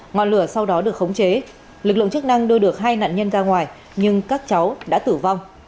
ngọn lửa sau đó được khống chế lực lượng chức năng đưa được hai nạn nhân ra ngoài nhưng các cháu đã tử vong